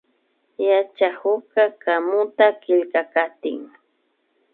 Yachakukka kamuta killkakatin